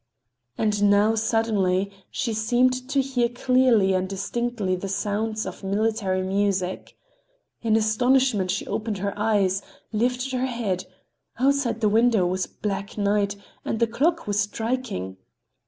And now, suddenly, she seemed to hear clearly and distinctly the sounds of military music. In astonishment, she opened her eyes, lifted her head—outside the window was black night, and the clock was striking.